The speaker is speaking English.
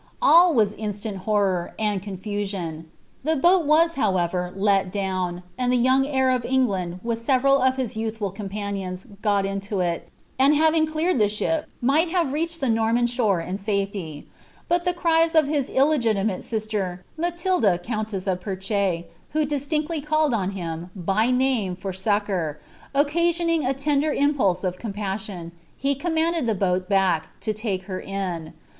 All was instant horror, and confu MOO. The boat was, however, let down; and the young heir of Eng< land, whh several of his youtliful companions, got into it, and having cteoreil (he ship, might have reached the Norman shore in safety ; but (be cries of his illegitimaie sister, Matilda countess of Perche, who di» tiBttly e«lled on him, by name, for succour, occasioning a tender impulse if coBpuaion, he commanded the boat back, to take her in.